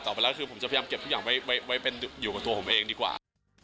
ไปแล้วคือผมจะพยายามเก็บทุกอย่างไว้เป็นอยู่กับตัวผมเองดีกว่า